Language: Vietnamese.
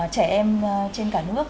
trẻ em trên cả nước